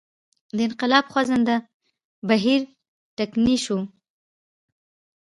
د انقلاب خوځنده بهیر ټکنی شو.